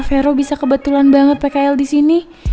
vero bisa kebetulan banget pkl di sini